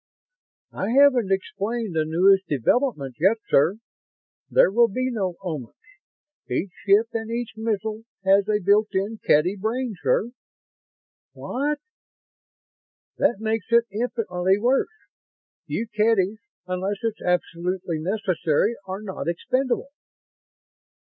"I haven't explained the newest development yet, sir. There will be no Omans. Each ship and each missile has a built in Kedy brain, sir." "What? That makes it infinitely worse. You Kedys, unless it's absolutely necessary, are not expendable!"